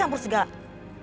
pantes aja kak fanny